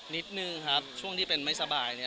นิดนึงครับช่วงที่เป็นไม่สบายเนี่ย